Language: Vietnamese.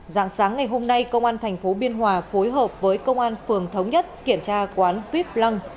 giảng sáng ngày hôm nay công an tp biên hòa phối hợp với công an phường thống nhất kiểm tra quán vip lăng